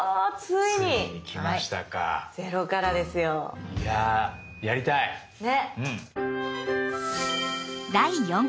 いややりたい！ね。